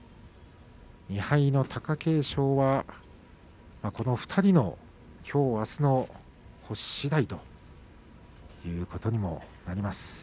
２敗の貴景勝はこの２人のきょう、あすの星しだいということにもなります。